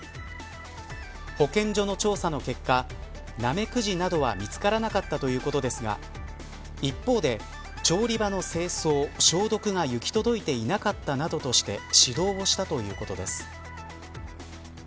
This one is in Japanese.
保健所の調査の結果ナメクジなどは見つからなかったということですが一方で、調理場の清掃、消毒が行き届いていなかったということで指導したということです。